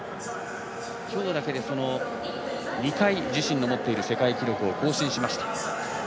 きょうだけで２回自身の持っている世界記録を更新しました。